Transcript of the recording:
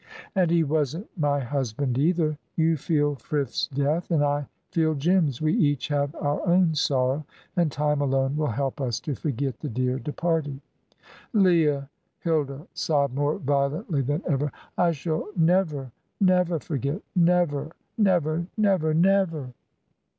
"And he wasn't my husband, either. You feel Frith's death and I feel Jim's. We each have our own sorrow, and time alone will help us to forget the dear departed." "Leah" Hilda sobbed more violently than ever "I shall never never forget. Never never never never!"